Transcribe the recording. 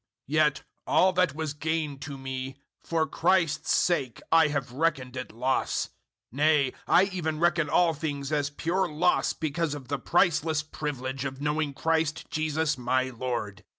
003:007 Yet all that was gain to me for Christ's sake I have reckoned it loss. 003:008 Nay, I even reckon all things as pure loss because of the priceless privilege of knowing Christ Jesus my Lord.